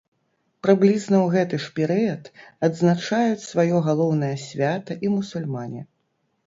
Прыблізна ў гэты ж перыяд адзначаюць сваё галоўнае свята і мусульмане.